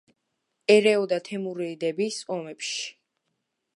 ერეოდა თემურიდების ომებში.